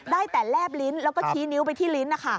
ได้แต่แลบลิ้นแล้วก็ชี้นิ้วไปที่ลิ้น